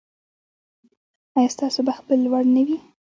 ایا ستاسو بخت به لوړ نه وي؟